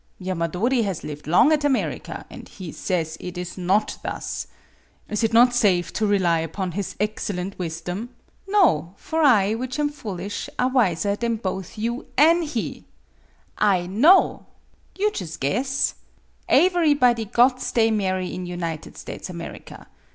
" Yamadori has lived long at America, and he says it is not thus. Is it not safe to rely upon his excellent wisdom ?" "No; for I, which am foolish, are wiser 32 MADAME BUTTERFLY than both you an' he. / know. You jus' guess. Aeverybody got stay marry at United States America.